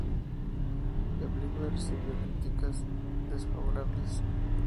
La película recibió críticas desfavorables.